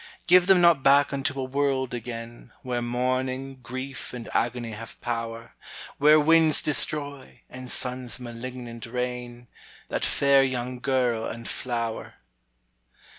Give them not back unto a world again, Where mourning, grief, and agony have power, Where winds destroy, and suns malignant reign, That fair young girl and flower.